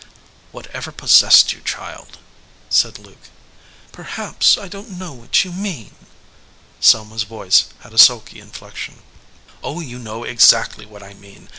"Whatever possessed you, child?" said Luke. "Perhaps I don t know what you mean." Selma s voice had a sulky inflection. "Oh, you do know exactly what I mean.